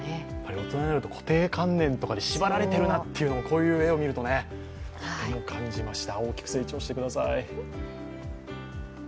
大人になる固定観念とかに縛られているなというのをこういう絵を見るととても感じました。